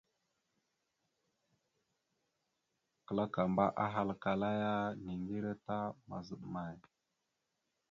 Kǝlakamba ahalǝkala ya: « Niŋgire ta mazaɗ amay? ».